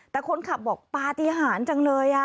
แต่คนขับบอกปฏิหารจังเลย